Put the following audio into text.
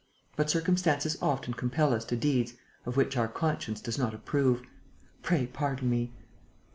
But circumstances often compel us to deeds of which our conscience does not approve. Pray pardon me."